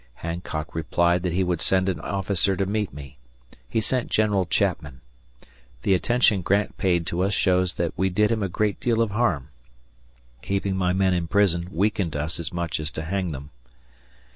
Hancock replied that he would send an officer to meet me. He sent General Chapman. The attention Grant paid to us shows that we did him a great deal of harm. Keeping my men in prison weakened us as much as to hang them.